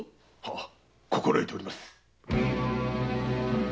心得ております。